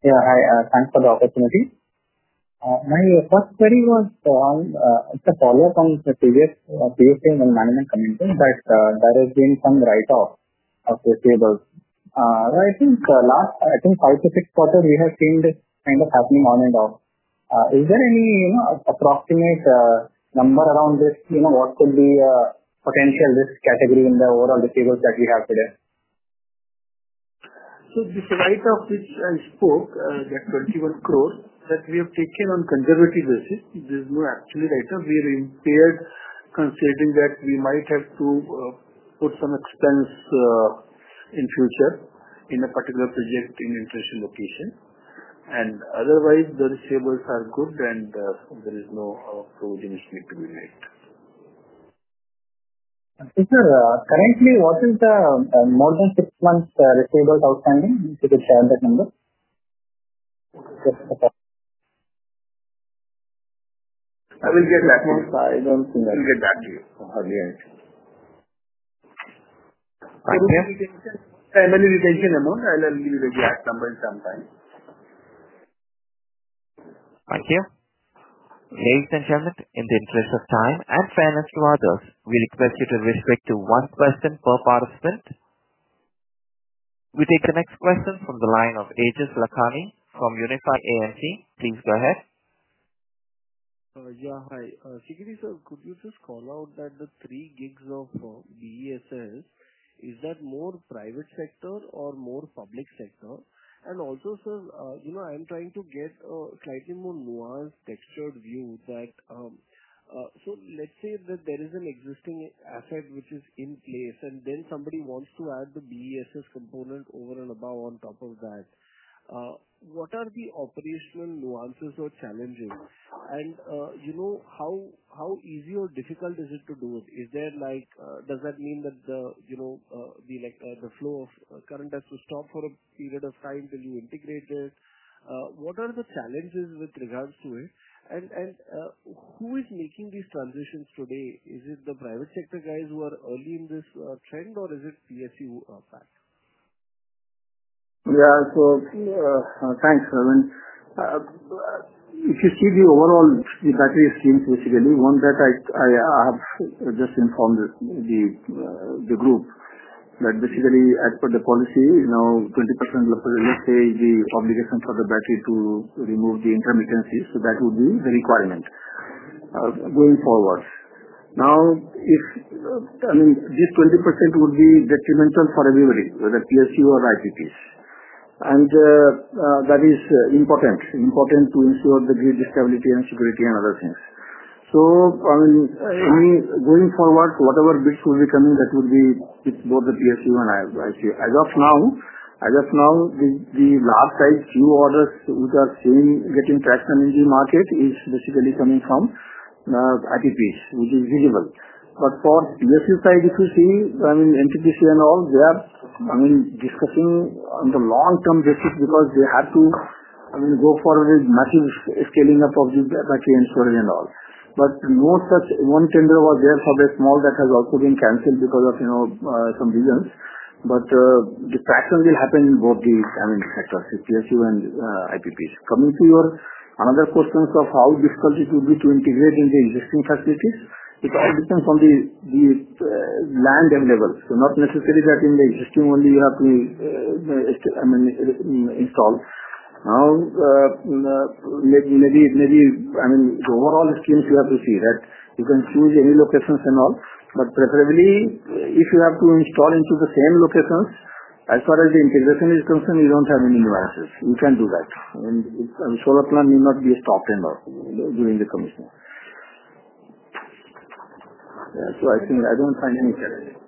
Yeah, hi. Thanks for the opportunity. My first study was on, it's a follow-up on the previous team and management meeting. There has been some write-offs of the table. I think, last, I think five to six quarters, we have seen this kind of happening on and off. Is there any, you know, approximate number around this, you know, what could be potential risk category in the overall the tables that we have today? The write-off which I spoke, that 21 crore that we have taken on a conservative basis, there's no actual write-off. We're impaired considering that we might have to put some expense in the future in a particular project in the inflation location. Otherwise, the receivers are good, and there is no code in the state to be raised. Peter, currently, wasn't more than six months receivables outstanding? You should be fine with that number. I will get that one. I don't think I'll get that to you at the end. Okay. Any retention amount, I'll give you the exact number sometime. Thank you. Ladies and gentlemen, in the interest of time and fairness to others, we request you to respect one question per participant. We take the next question from the line of Ajis Lakhani from Unified AMC. Please go ahead. Yeah, hi. Could you just call out that the 3 GW of BESS, is that more private sector or more public sector? Also, sir, I'm trying to get a slightly more nuanced, textured view that, let's say there is an existing asset which is in place, and then somebody wants to add the BESS component over and above on top of that. What are the operational nuances or challenges? How easy or difficult is it to do it? Does that mean that the flow of current has to stop for a period of time till you integrate it? What are the challenges with regards to it? Who is making these transitions today? Is it the private sector guys who are early in this trend, or is it PSU, for that? Yeah, so see, thanks. I mean, if you see the overall, the battery schemes, basically, one that I have just informed the group that basically I put the policy, you know, 20% let's say the obligation for the battery to remove the intermittency. That would be the requirement, going forward. Now, I mean, this 20% would be detrimental for everybody, whether it's PSU or ITPs. That is important to ensure the grid stability and security and other things. Only going forward, whatever bids will be coming, that would be both the PSU and ITP. As of now, the large-sized few orders which are seen getting traction in the market is basically coming from ITP, which is reasonable. For PSU side, if you see, I mean, NTPC and all, they are discussing on the long-term basis because they have to go for a massive scaling up of the battery and storage and all. No such one tender was there for the small that has all been canceled because of, you know, some reasons. The pattern will happen in both the sectors, the PSU and ITPs. Coming to your another question of how difficult it would be to integrate in the existing facilities because it depends on the land and level. Not necessarily that in the existing only you have to install. Now, maybe, I mean, the overall schemes you have to see that you can choose any locations and all, but preferably, if you have to install into the same locations, as far as the integration is concerned, you don't have any nuances. You can do that. It's a solar plant may not be a stop anymore during the commission. Yeah, so I think I don't find any challenges.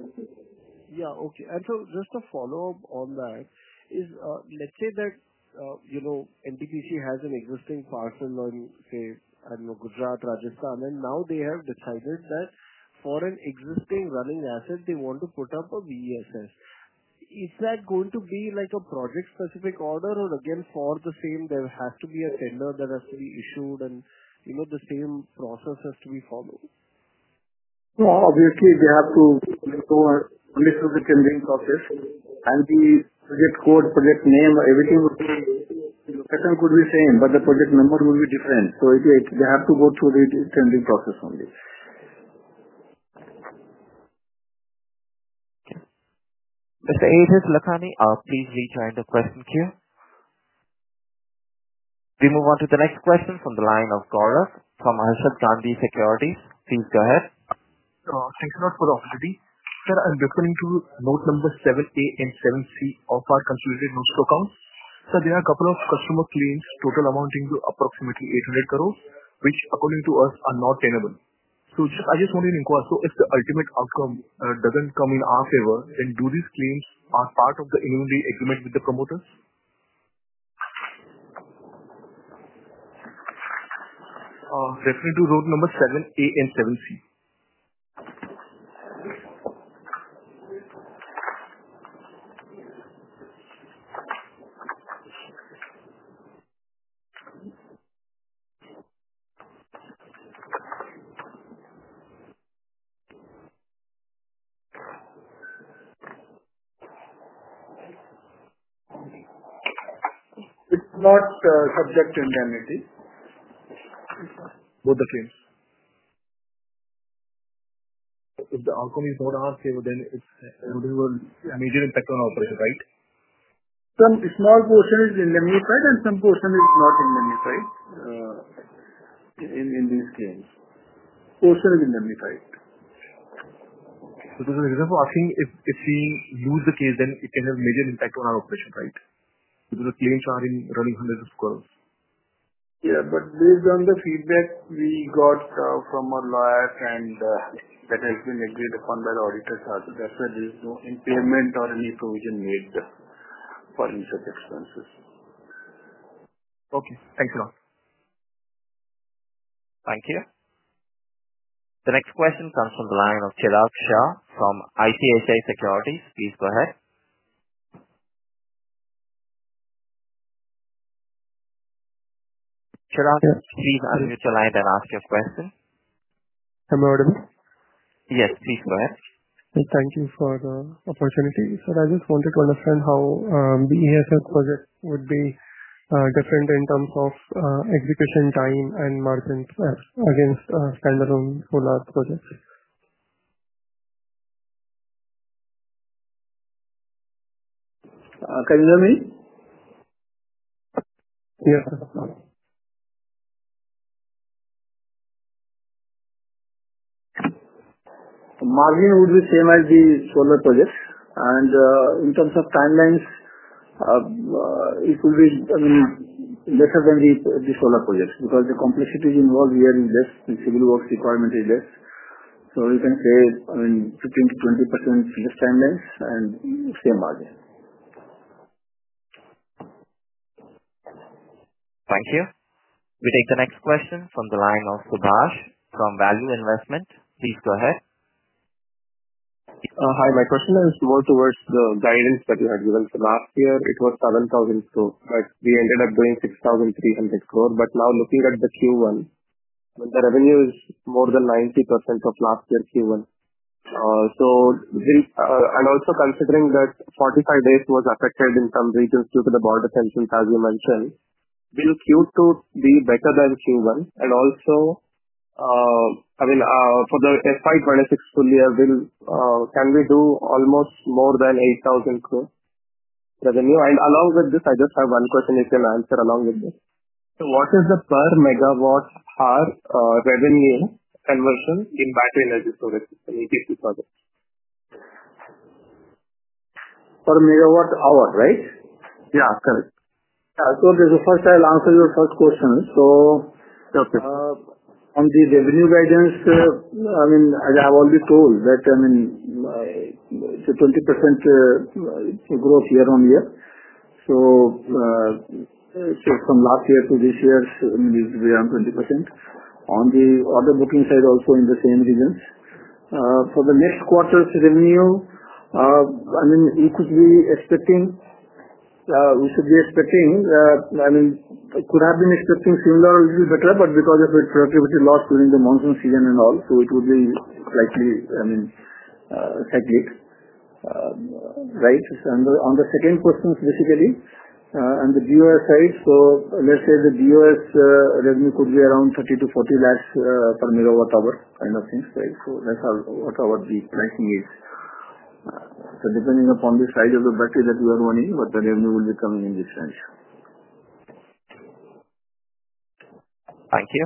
Okay. Just a follow-up on that, let's say that NTPC has an existing platform in, I don't know, Gujarat, Rajasthan, and now they have decided that for an existing running asset, they want to put up a BESS. Is that going to be a project-specific order, or for the same, there has to be a tender that has to be issued and the same process has to be followed? Obviously, we have to, you know, this is a tendering process. The project code, project name, everything could be the same, but the project number will be different. If you have to go through it, it's a tendering process only. Thank you. Ajit Lakhani, please rejoin the question queue. We move on to the next question from the line of Gaurav from Anusha Gandhi Securities. Please go ahead. Thank you so much for the opportunity. Sir, I'm referring to note number 7A and 7C of our calculated note flow count. Sir, there are a couple of customer claims total amounting to approximately 800 crore, which according to us are not tenable. I just want to request, if the ultimate outcome doesn't come in our favor, do these claims form part of the inventory agreement with the promoters? Let me do note number 7A and 7C. It's not subject to indemnity. Both the claims? If the outcome is not our favor, then it's, I mean, it isn't a take on operation, right? Some small portion is indemnified and some portion is not indemnified in these claims. Portion is indemnified. If it's being moved the case, then it can have a major impact on our operation, right? Even the claims are in running hundreds of crores. Yeah, based on the feedback we got from our lawyers and the. That has been agreed upon by the auditors. That's where there is no impairment or any provision made there for any circumstances. Okay, thank you all. Thank you. The next question comes from the line of Sharad Shah from ITSA Securities. Please go ahead. Cherad, please unmute your line and ask your question. Hello? Yes, please go ahead. Thank you for the opportunity. Sir, I just wanted to understand how BESS projects would be different in terms of execution time and margin against standalone solar projects. Can you hear me? Yes, sir. Margin would be the same as the solar projects. In terms of timelines, it would be, I mean, better than the solar projects because the complexity involved here is less. The civil works requirement is less. You can say, I mean, 15% to 20% less timelines and same margin. Thank you. We take the next question from the line of Subash from Value Investment. Please go ahead. Hi, my question is more towards the guidance that you had given for last year. It was 7,000 crore, but we ended up doing 6,300 crore. Now, looking at Q1, when the revenue is more than 90% of last year's Q1, and also considering that 45 days was affected in some regions due to the border tensions as you mentioned, will Q2 be better than Q1? Also, for the FY 2026 full year, can we do almost more than 8,000 crore revenue? Along with this, I just have one question you can answer along with me. What is the per MWh revenue conversion in battery energy storage solutions EPC projects? Per MWh, right? Yeah, that's correct. Yeah, so I'll answer your first question. On the revenue guidance, as I have already told, it's a 20% growth year on year. From last year to this year, we are on 20%. On the order booking side, also in the same regions. For the next quarter's revenue, we could be expecting similar or even better, but because of its productivity loss during the monsoon season and all, it would be slightly cyclic, right? On the second question, basically, on the DES side, let's say the DES revenue could be around 30 to 40 lakhs per MWh kind of things, right? That's what our pricing is. Depending upon the size of the battery that we are running, what the revenue will become in this sense. Thank you.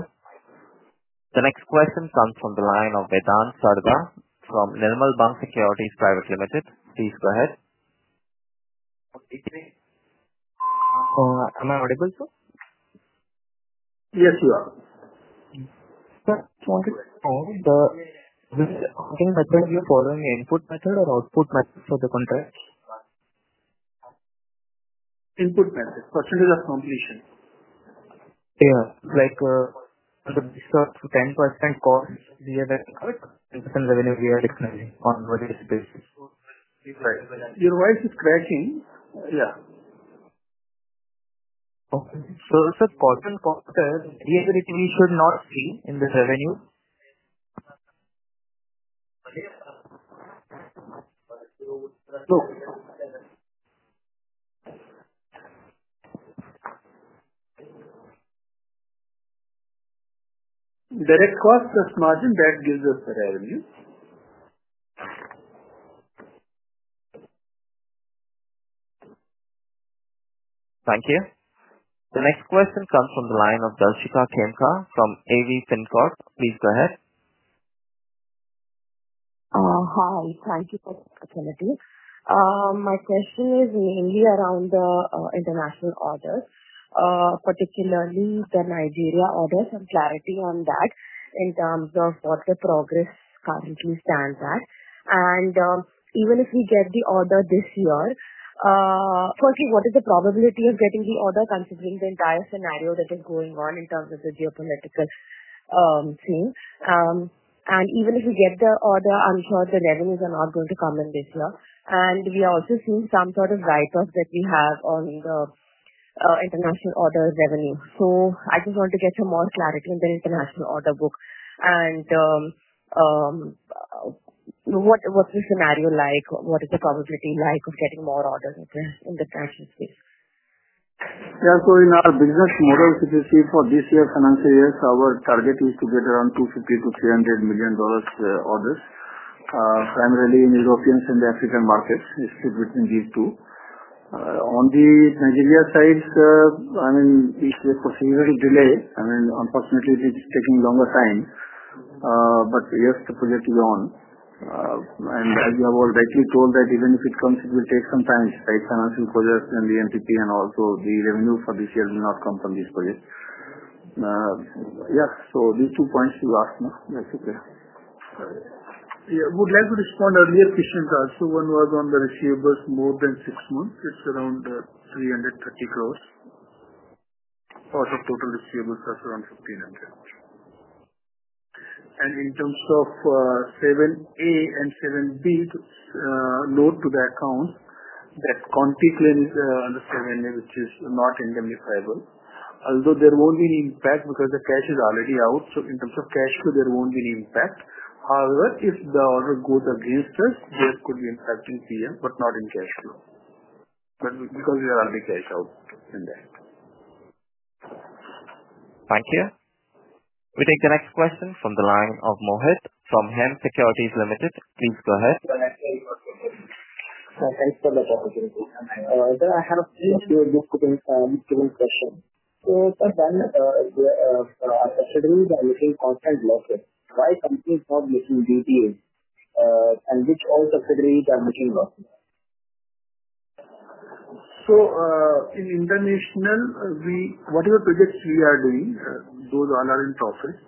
The next question comes from the line of Vedant Sargar from Nelmal Bank Securities Private Limited. Please go ahead. Am I audible, sir? Yes, we are. Sir, I just wanted to know, are we going to reference your following input method or output method for the contract? Input method, percentage of completion. Yeah, like this 10% cost, we had a 10% revenue, we are expanding on a various basis. Your voice is crashing. Yeah. Okay. It says cost and cost says these are the things we should not see in this revenue. Direct cost plus margin, that gives us the revenues. Thank you. The next question comes from the line of Dalshika Kenka from AV Fincorp. Please go ahead. Hi. Thank you for the opportunity. My question is mainly around the international orders, particularly the Nigeria orders and clarity on that in terms of what the progress currently stands at. Even if we get the order this year, firstly, what is the probability of getting the order considering the entire scenario that is going on in terms of the geopolitical things? Even if we get the order, I'm sure the revenues are not going to come in this year. We are also seeing some sort of write-offs that we have on the international order revenue. I just want to get some more clarity on the international order book. What is the scenario like? What is the probability like of getting more orders in the financial space? Yeah, so in our business model, if you see for this year's financial year, our target is to get around $250-$300 million orders, primarily in Europe and the African markets, which is between these two. On the Nigeria side, it's a procedure to delay. Unfortunately, it's taking longer time, but yes, the project is on. As you have already told, even if it comes, it will take some time, right? Financial projects and the NTPC and also the revenue for the shares will not come from this project. Yes, so these two points you asked me, that's okay. Sorry, I would like to respond to earlier questions. When we are on the receivables more than six months, it's around 330 crore. For the total receivers, that's around 1,500. In terms of 7A and 7B, note to the account that Conti claims under 7A, which is not indemnifiable, although there won't be any impact because the cash is already out. In terms of cash flow, there won't be any impact. However, if the order goes against us, this could be impacting CM, but not in cash flow because we are already cash out in there. Thank you. We take the next question from the line of Mohit from HEM Securities Limited. Please go ahead. Thanks for the opportunity. I kind of see you're looking to the next question. It's a question of subsidiaries and machine constant losses. Why are companies not listening to you, and which all subsidiaries are machine losses? In international, whatever projects we are doing, those all are in profits.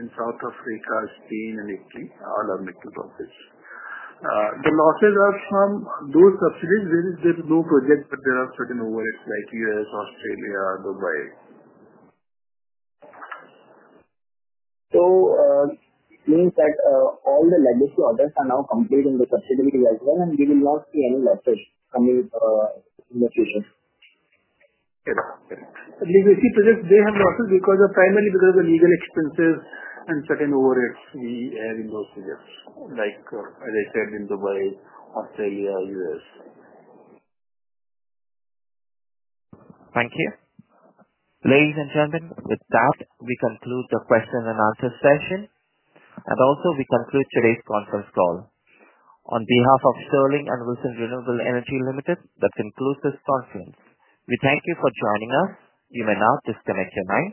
In South Africa, Spain, and Italy, all are making profits. The losses are from those subsidiaries where there's no project that they have taken over in Nigeria, Australia, Dubai. Meaning that all the legacy orders are now completed in the subsidiary as well, and you will not see any losses coming in the future? Yeah. Okay. At least we see projects, they have losses primarily because of the legal expenses and certain overheads we had in those projects, like I said, in Dubai, Australia, U.S. Thank you. Ladies and gentlemen, with that, we conclude the question and answer session. We also conclude today's conference call. On behalf of Sterling and Wilson Renewable Energy Limited, that concludes this conference. We thank you for joining us. You may now disconnect your mic.